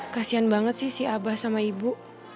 kasian banget sih si abah sama ibu